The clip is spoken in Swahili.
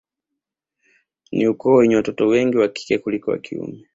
Ni ukoo wenye watoto wengi wa kike kuliko wa kiume